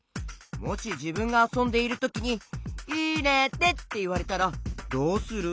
もしじぶんがあそんでいるときに「いれて」っていわれたらどうする？